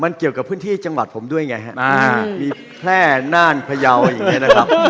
มันเกี่ยวกับพื้นที่จังหวาดผมด้วยไงมีแพร่น่านพะเยาว์สิ่งแบบนี้นะครับ